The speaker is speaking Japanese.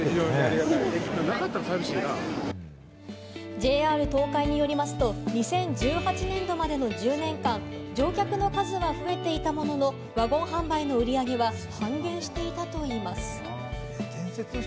ＪＲ東海によりますと、２０１８年度までの１０年間、乗客の数は増えていたものの、ワゴン販売の売り上げは半減していたといいます。